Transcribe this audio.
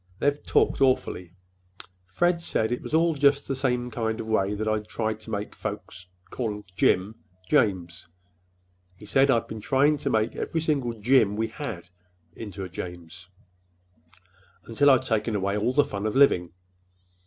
They talked awfully. Fred said it was all just the same kind of a way that I'd tried to make folks call Jim 'James.' He said I'd been trying to make every single 'Jim' we had into a 'James,' until I'd taken away all the fun of living.